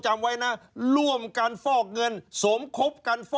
ชีวิตกระมวลวิสิทธิ์สุภาณฑ์